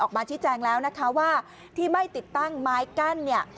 ออกมาชี้แจงแล้วนะคะว่าที่ไม่ติดตั้งไม้กั้นเนี่ย